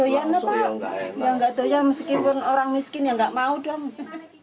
ya nggak bayar meskipun orang miskin ya nggak mau dong